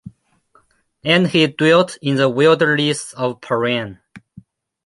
And he dwelt in the wilderness of Paran.